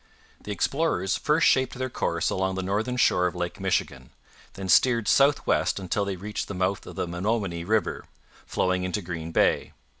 The explorers first shaped their course along the northern shore of Lake Michigan, then steered south west until they reached the mouth of the Menominee river, flowing into Green Bay.